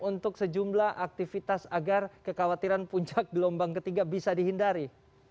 untuk sejumlah aktivitas agar kekhawatiran puncak gelombang ketiga bisa dihindari